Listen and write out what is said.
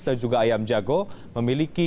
dan juga ayam jago memiliki